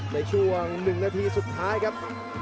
ในช่วง๑นาทีสุดท้ายครับ